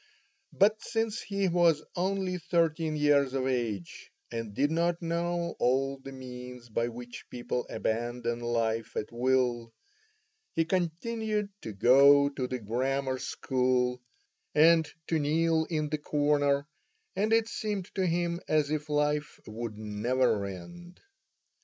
But, since he was only thirteen years of age, and did not know all the means by which people abandon life at will, he continued to go to the grammar school and to kneel in the corner, and it seemed to him as if life would never end.